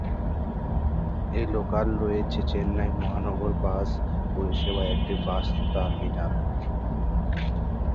এই লোকাল রয়েছে চেন্নাই মহানগর বাস পরিষেবার একটি বাস টার্মিনাল।